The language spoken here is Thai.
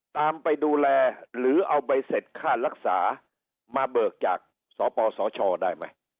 ไปดูแลหรือเอาใบเสร็จค่ารักษามาเบิกจากสปสชได้ไหม